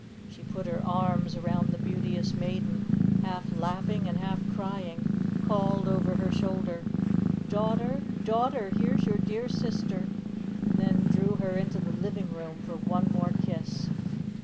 She put her arms around the Beauteous Maiden, half laughing and half crying, called over her shoulder, "Daughter, Daughter, here's your dear sister," and then drew her into the living room for one more kiss.